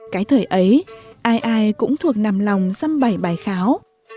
cái thời ấy ai ai cũng thuộc nằm lòng dăm bảy bài kháo